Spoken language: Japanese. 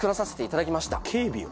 警備を？